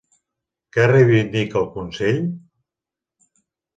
Què reivindica el Consell?